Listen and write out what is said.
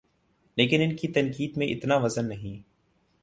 لیکن ان کی تنقید میں اتنا وزن نہیں۔